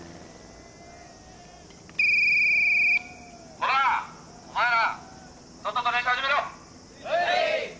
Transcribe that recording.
・「こらお前らとっとと練習始めろ」はい。